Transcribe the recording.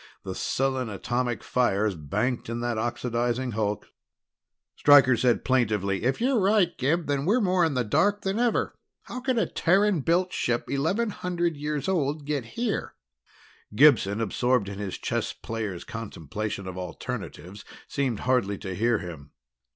The sullen atomic fires banked in that oxidizing hulk Stryker said plaintively, "If you're right, Gib, then we're more in the dark than ever. How could a Terran built ship eleven hundred years old get here?" Gibson, absorbed in his chess player's contemplation of alternatives, seemed hardly to hear him.